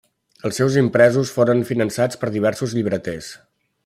Els seus impresos foren finançats per diversos llibreters.